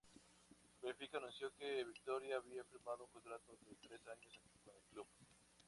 Benfica anunció que Vitória había firmado un contrato de tres años con el club.